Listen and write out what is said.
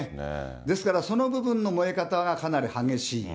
ですから、その部分の燃え方がかなり激しい。